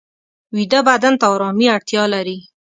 ویده بدن ته آرامي اړتیا لري